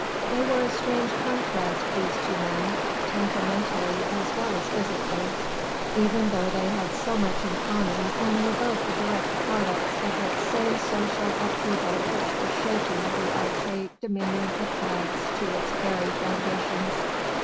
They were a strange contrast these two men temperamentally as well as physically even though they had so much in common and were both the direct products of that same social upheaval which was shaking the archaic dominion of France to its very foundations.